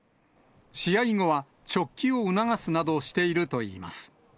試合後は、直帰を促すなどしているといいます。